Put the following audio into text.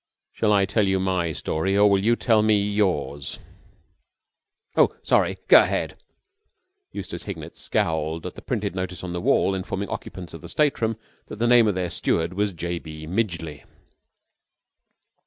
"Shall I tell you my story, or will you tell me yours?" "Oh, sorry! Go ahead." Eustace Hignett scowled at the printed notice on the wall informing occupants of the stateroom that the name of their steward was J. B. Midgeley.